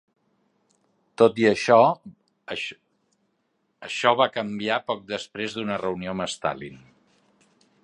Tot i això, això va canviar poc després d'una reunió amb Stalin.